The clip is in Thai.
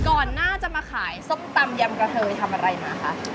ก่อนหน้าจะมาขายส้มตำยำกระเทยทำอะไรมาคะ